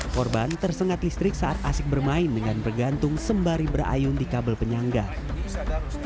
korban tersengat listrik saat asik bermain dengan bergantung sembari berayun di kabel penyangga